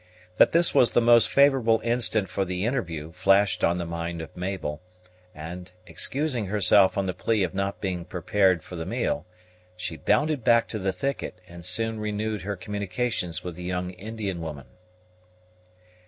That this was the most favorable instant for the interview flashed on the mind of Mabel; and, excusing herself on the plea of not being prepared for the meal, she bounded back to the thicket, and soon renewed her communications with the young Indian woman.